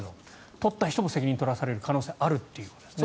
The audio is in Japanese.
撮った人も責任を取らされる可能性があるということですね。